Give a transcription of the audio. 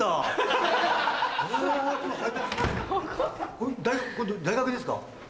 ここ大学ですか？